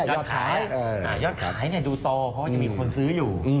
ยอดขายดูโตเพราะว่ายังมีคนซื้ออยู่